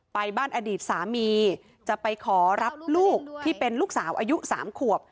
ไปบ้านอดีตสามีจะไปขอรับลูกที่เป็นลูกสาวอายุ๓ขวบ